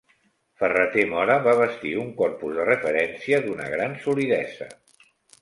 Ferrater Mora va bastir un corpus de referència d'una gran solidesa.